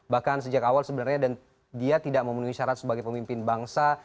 bahkan sejak awal sebenarnya dia tidak memenuhi syarat sebagai pemimpin bangsa